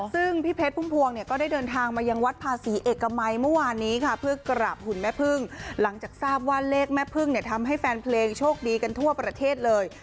ซึ่งพี่เพชรพุ่มพวงเนี่ยก็ได้เดินทางมายังวัดภาษีเอกมัยเมื่อวานนี้ค่ะเพื่อกราบหุ่นแม่พึ่งหลังจากทราบว่าเลขแม่พึ่งเนี่ยทำให้แฟนเพลงโชคดีกันทั่วประเทศเลย